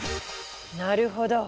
なるほど！